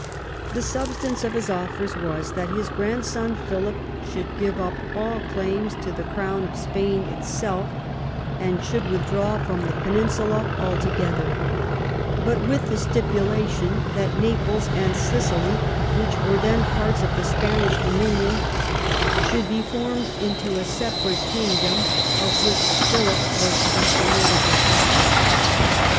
The substance of his offers was that his grandson, Philip, should give up all claims to the crown of Spain itself, and should withdraw from the Peninsula altogether, but with the stipulation that Naples and Sicily, which were then parts of the Span ish dominion, should be formed into a separate king dom, of which Philip was to be created the sovereign.